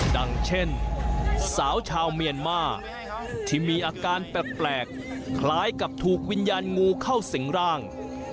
ดังเช่นสาวชาวเมียนมาที่มีอาการแปลกคล้ายกับถูกวิญญาณงูเข้าสิงร่าง